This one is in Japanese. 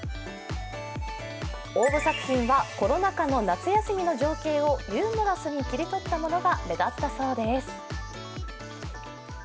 応募作品はコロナ禍の夏休みの情景をユーモラスに切り取ったものが目立ったそうです。